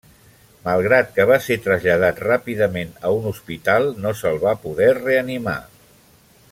Malgrat que va ser traslladat ràpidament a un hospital, no se'l va poder reanimar.